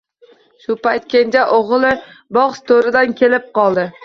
Shu payt kenja o`g`li bog` to`ridan kelib qoldi